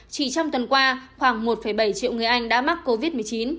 chỉ trong tuần qua khoảng một bảy triệu người anh đã mắc covid một mươi chín